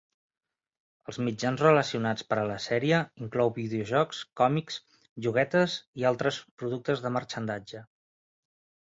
Els mitjans relacionats per a la sèrie inclou videojocs, còmics, juguetes i altres productes de marxandatge.